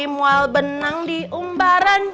mual benang diumbaran